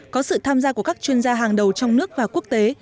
có sự tham gia của các chuyên gia hàng đầu trong nước và quốc tế